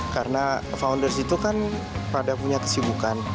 karena founders itu kan pada punya kesibukan